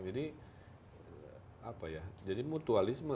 jadi apa ya jadi mutualisme